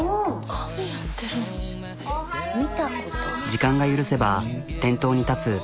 時間が許せば店頭に立つ。